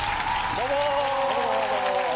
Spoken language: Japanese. どうも。